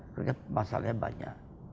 kerja masalahnya banyak